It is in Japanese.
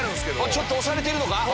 ちょっと押されてるのか？